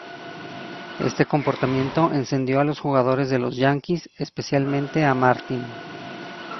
Este comportamiento encendió a los jugadores de los Yankees, especialmente a Martin.